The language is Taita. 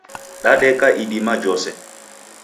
Dadeka idima jhose.